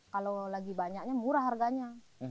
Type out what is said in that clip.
kalau lagi banyaknya murah harganya